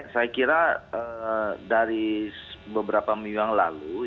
saya kira dari beberapa minggu yang lalu